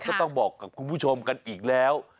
ก็ต้องบอกกับคุณผู้ชมกันอีกแล้ว